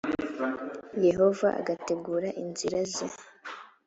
yehova ugategura inzira ze